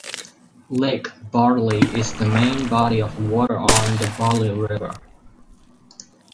Lake Barley is the main body of water on the Barley River.